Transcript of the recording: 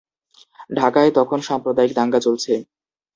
ঢাকায় তখন সাম্প্রদায়িক দাঙ্গা চলছে।